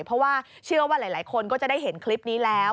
เพราะว่าเชื่อว่าหลายคนก็จะได้เห็นคลิปนี้แล้ว